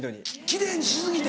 奇麗にし過ぎて？